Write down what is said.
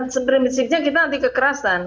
sebenarnya kita nanti kekerasan